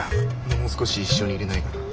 もう少し一緒にいれないかな？